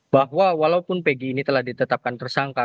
bahwa walaupun pegi ini telah ditetapkan tersangka